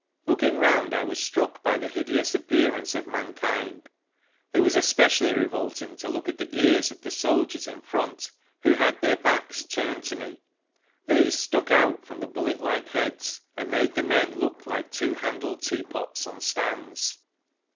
Looking round I was struck by the hideous appearance of mankind. It was especially revolting to look at the ears of the soldiers in front, who had their backs turned to me. These stuck out from the bullet like heads, and made the men look like two handled teapots on stands.